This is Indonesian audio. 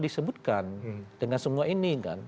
disebutkan dengan semua ini kan